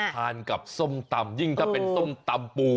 ทานกับส้มตำยิ่งถ้าเป็นส้มตำปู